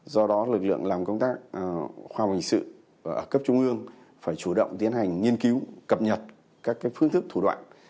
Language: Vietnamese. do đó lực lượng làm công tác khoa học hình sự ở cấp trung ương phải chủ động tiến hành nghiên cứu cập nhật các phương thức thủ đoạn